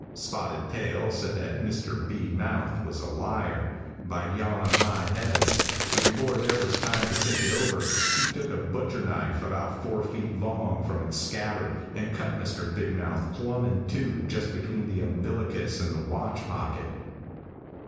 Spotted Tail said that Mr. B. Mouth was a liar, by yon high heaven, and before there was time to think it over, he took a butcher knife, about four feet long, from its scabbard and cut Mr. Big Mouth plumb in two just between the umbilicus and the watch pocket.